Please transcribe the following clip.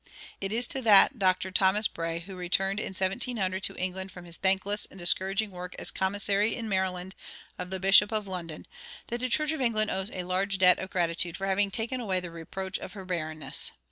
[66:1] It is to that Dr. Thomas Bray who returned in 1700 to England from his thankless and discouraging work as commissary in Maryland of the Bishop of London, that the Church of England owes a large debt of gratitude for having taken away the reproach of her barrenness.